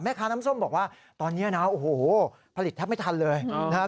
น้ำส้มบอกว่าตอนนี้นะโอ้โหผลิตแทบไม่ทันเลยนะครับ